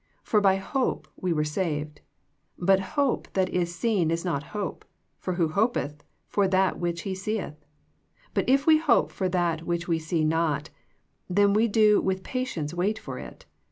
For by hope we were saved ; but hope that is seen is not hope : for who hopeth for that which he seeih ? But if we hope for that which we see not, then do we with patience wait for it.